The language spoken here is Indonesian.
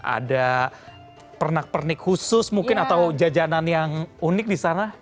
ada pernak pernik khusus mungkin atau jajanan yang unik di sana